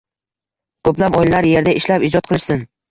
Ko‘plab oilalar yerda ishlab ijod qilishsin